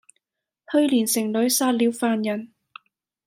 去年城裏殺了犯人，